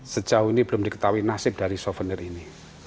sejauh ini belum diketahui nasib dari souvenir ini